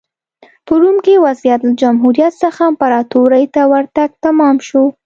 په روم کې وضعیت له جمهوریت څخه امپراتورۍ ته ورتګ تمام شو